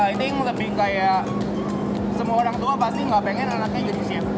i think lebih kayak semua orang tua pasti nggak pengen anaknya jenisnya